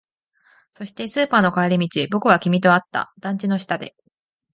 そして、スーパーの帰り道、僕は君と会った。団地の下で。